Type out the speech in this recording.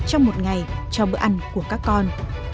trong một ngày cho bữa ăn của các con